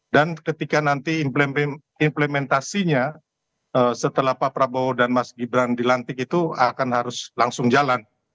dan ketika nanti implementasinya setelah pak prabowo dan mas gibran dilantik itu akan harus langsung jalan